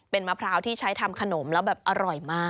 เป็นมะพร้าวที่ใช้ทำขนมแล้วแบบอร่อยมาก